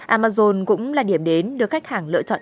amazon cũng là điểm đến được khách hàng lựa chọn